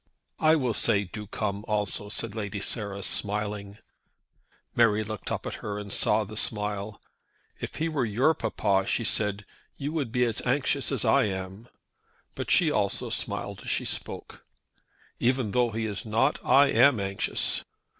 "I will say do come also," said Lady Sarah, smiling. Mary looked up at her and saw the smile. "If he were your papa," she said, "you would be as anxious as I am." But she also smiled as she spoke. "Even though he is not, I am anxious."